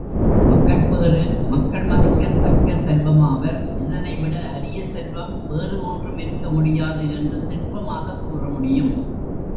மக்கட்பேறு மக்கள் மதிக்கத்தக்க செல்வமாவர் இதனைவிட அரிய செல்வம் வேறு ஒன்றும் இருக்க முடியாது என்று திட்பமாகக் கூறமுடியும்.